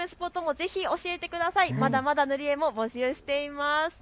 まだまだ塗り絵も募集しています。